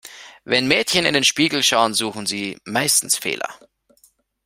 Wenn Mädchen in den Spiegel schauen, suchen sie meistens Fehler.